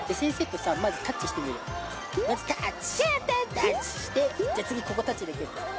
タッチしてじゃあ次ここタッチできる？